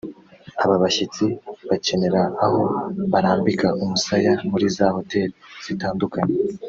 aba bashyitsi bakenera aho barambika umusaya muri za hoteli zitandukanye